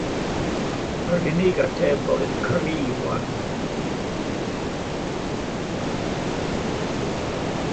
Yr unig ateb oedd cri wan.